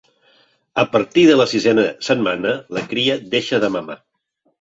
A partir de la sisena setmana, la cria deixa de mamar.